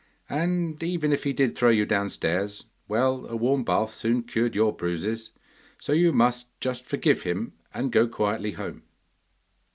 And even if he did throw you downstairs, well, a warm bath soon cured your bruises, so you must just forgive him and go quietly home.